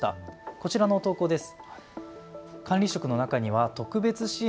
こちらの投稿です。